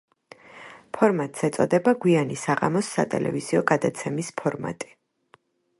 ფორმატს ეწოდება გვიანი საღამოს სატელევიზიო გადაცემის ფორმატი.